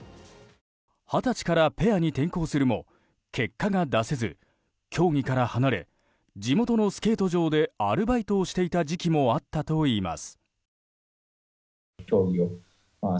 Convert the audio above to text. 二十歳からペアに転向するも結果が出せず競技から離れ地元のスケート場でアルバイトをしていた時期もあったといいます。